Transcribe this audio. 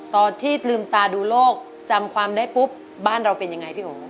ตอนที่ลืมตาดูโลกจำความได้ปุ๊บบ้านเราเป็นยังไงพี่โอ๋